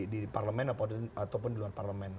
di parlement ataupun di luar parlement